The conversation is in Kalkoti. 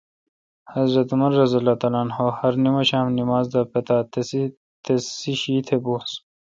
حضرت عمرؓہرنماشام نمازداپتاتسیشی تہ بونس۔